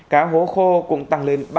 cá hố khô cũng tăng lên ba mươi